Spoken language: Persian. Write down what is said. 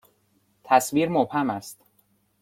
تصویر مبهم است.